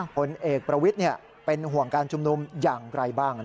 ผลเอกประวิทย์เป็นห่วงการชุมนุมอย่างไรบ้าง